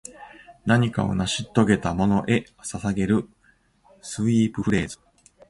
何かを成し遂げたものへ捧げるスウィープフレーズ